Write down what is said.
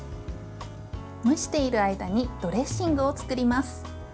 蒸している間にドレッシングを作ります。